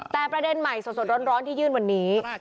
แต่ประเด็นใหม่สดร้อนที่ยื่นวันนี้